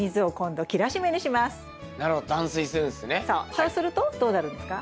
そうするとどうなるんですか？